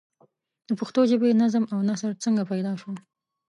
د پښتو ژبې نظم او نثر څنگه پيدا شو؟